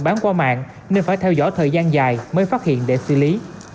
bán qua mạng nên phải theo dõi thời gian dài mới phát hiện để xử lý